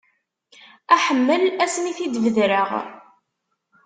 Aḥemmel ass mi i t-id-bedreɣ.